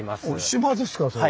島ですかそれ。